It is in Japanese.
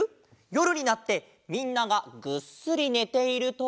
よるになってみんながぐっすりねていると。